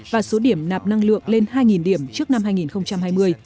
và số điểm nạp năng lượng lên hai điểm trước năm hai nghìn hai mươi